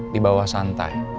di bawah santai